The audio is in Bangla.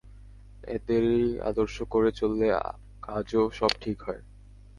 এদেরই আদর্শ করে চললে কাজও সব ঠিক হয়।